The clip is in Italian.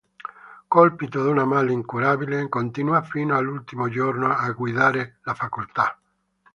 Colpito da un male incurabile, continua fino all'ultimo giorno a guidare la facoltà.